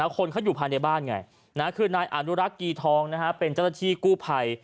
คนเขาอยู่ภายในบ้านไงคือนายอนุรักษ์กีทองเป็นเจ้าหน้าที่กู้ภัย